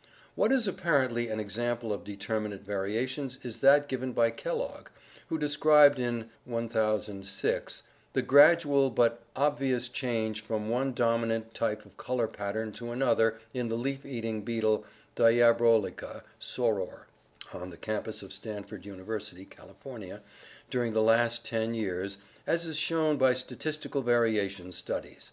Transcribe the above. a What is apparently an example of determinate variations is that given by Kellogg, who described in 1006 "the gradual but obvious change from one dominant type of color pattern to another in the leaf eating beetle Diabrolica soror (on the campus of Stanford University, California) during the last ten years [as] is shown . by statistical variation studies."